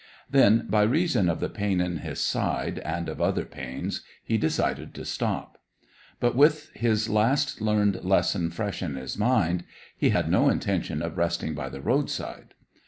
Then, by reason of the pain in his side, and of other pains, he decided to stop. But, with his last learned lesson fresh in his mind, he had no intention of resting by the roadside.